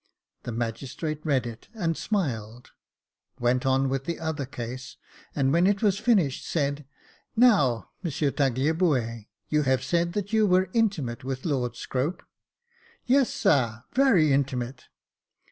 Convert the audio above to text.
The magistrate read it, and smiled ; went on with the other case, and when it was finished, said, "Now, M. Tagliabue, you have said that you were intimate with Lord Scrope." " Yes, sar, very intimate."